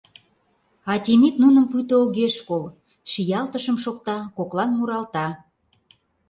А Темит нуным пуйто огеш кол, шиялтышым шокта, коклан муралта: